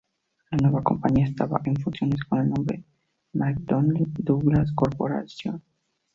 La nueva compañía estaba en funciones con el nombre: McDonnell Douglas Corporation.